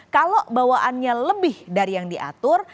kalau bawaannya lebih dari yang diatur